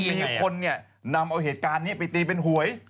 มีคนเนี่ยนำเอาเหตุการณ์นี้ไปตีเป็นหวย